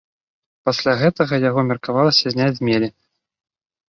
Пасля гэтага яго меркавалася зняць з мелі.